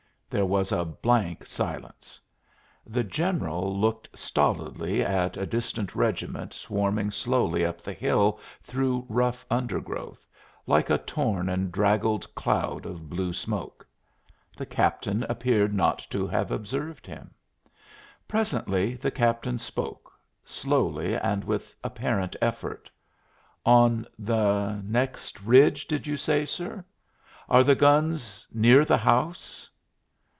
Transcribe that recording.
There was a blank silence; the general looked stolidly at a distant regiment swarming slowly up the hill through rough undergrowth, like a torn and draggled cloud of blue smoke; the captain appeared not to have observed him. Presently the captain spoke, slowly and with apparent effort: "On the next ridge, did you say, sir? Are the guns near the house?"